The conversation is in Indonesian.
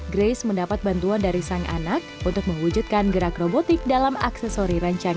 grace mendapat bantuan dari sang anak untuk mewujudkan gerak robotik dalam aksesori rencana